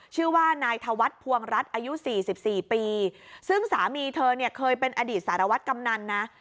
ชื่อว่านายธวัฒน์ภวงรัฐอายุสี่สิบสี่ปีซึ่งสามีเธอเนี่ยเคยเป็นอดีตสารวัตรกำนันนะ